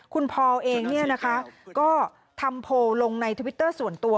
คุณพอร์เองก็ทำโพลลงในทวิตเตอร์ส่วนตัว